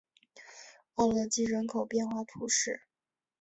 奥勒济人口变化图示